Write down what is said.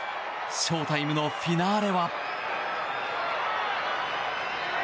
ショータイムのフィナーレは。